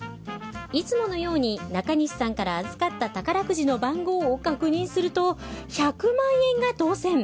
いつものように中西さんから預かった宝くじの番号を確認すると１００万円が当せん！